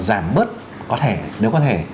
giảm bớt có thể nếu có thể